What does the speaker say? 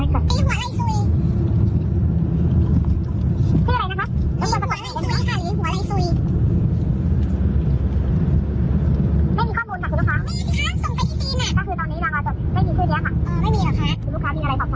คุณลูกค้าลิงก์สายเข้ามาก็คือจะติดต่อได้นะคะ